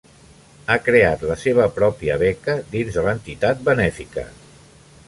Ha creat la seva pròpia beca dins de l"entitat benèfica.